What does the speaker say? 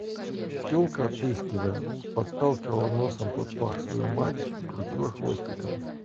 Телка, отыскивая, подталкивала носом под пах свою мать и крутила хвостиком.